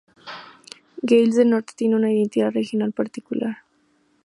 Gales del Norte tiene una identidad regional particular.